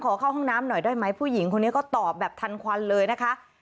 เข้าห้องน้ำหน่อยได้ไหมผู้หญิงคนนี้ก็ตอบแบบทันควันเลยนะคะ